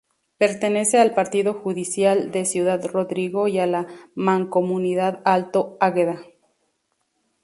Pertenece al partido judicial de Ciudad Rodrigo y a la mancomunidad Alto Águeda.